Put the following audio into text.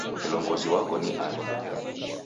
Kilongozi wako ni ani?